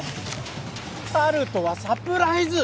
タルトはサプライズ！